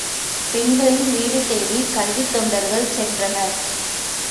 பெண்களின் வீடு தேடி, கல்வித் தொண்டர்கள் சென்றனர்.